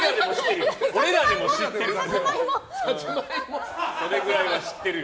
俺らでも知ってるよ。